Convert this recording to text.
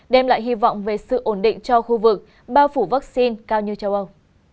đem lại hy vọng về sự ổn định cho khu vực bao phủ vắc xin cao như châu âu